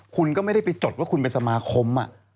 คุณก็ไม่ได้ไปจดว่าคุณเป็นสมาคม